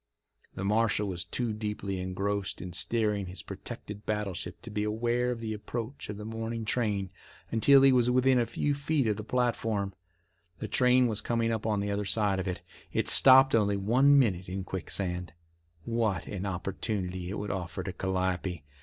The marshal was too deeply engrossed in steering his protected battleship to be aware of the approach of the morning train until he was within a few feet of the platform. The train was coming up on the other side of it. It stopped only one minute at Quicksand. What an opportunity it would offer to Calliope!